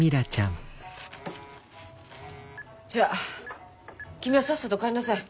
じゃあ君はさっさと帰りなさい。